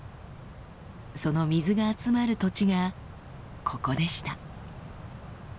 その水が集まる土地がここでした。